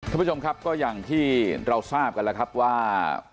ท่านผู้ชมครับก็อย่างที่เราทราบกันแล้วครับว่า